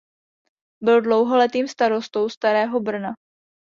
Byl dlouholetým starostou Starého Brna.